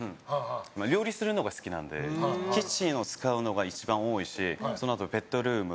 料理するのが好きなのでキッチンを使うのが一番多いしそのあとベッドルーム。